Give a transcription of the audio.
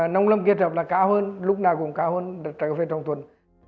nông lâm kết hợp là cao hơn lúc nào cũng cao hơn trồng thuần